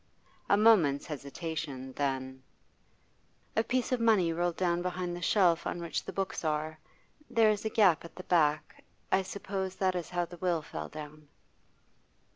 A moment's hesitation; then: 'A piece of money rolled down behind the shelf on which the books are; there is a gap at the back. I suppose that is how the will fell down.